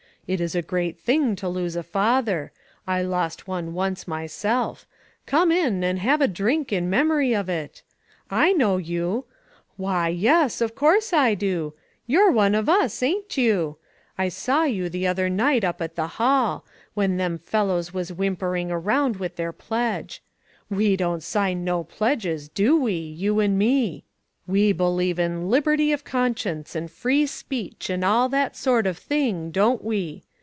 It is a great thing to lose a father ; I lost one once myself ; come in and have a drink in memory of it. I know you ; why, yes, of course I do ; you're one of us, ain't you? I saw you the other night up at the hall, when them 49O ONE COMMONPLACE DAY. fellows was whimpering around with their pledge. We don't sign no pledges, do we, you and me? We believe in liberty of conscience, and free speech, and all that sort of thing, don't we?